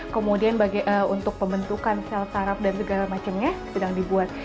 kemudian untuk pembentukan sel taraf dan segala macamnya sedang dibuat